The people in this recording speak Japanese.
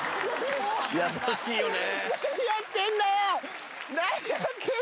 優しいよね。